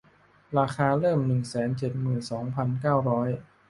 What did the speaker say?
ราคาเริ่ม หนึ่งแสนเจ็ดหมื่นสองพันเก้าร้อย